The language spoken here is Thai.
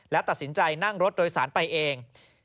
และตัดสินใจนั่งรถโดยสารไปเอง